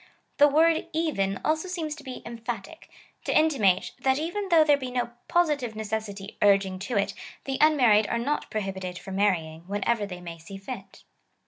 The word even also seems to be emphatic — to intimate, that even though there be no positive necessity urging to it, the un married are not prohibited from marrying whenever they may see fit.